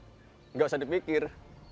tidak usah dipikir